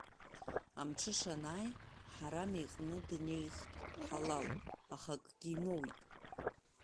Амҽыша анааи, Ҳарам иҟны днеихт Ҳалал, аха акгьы имоуит.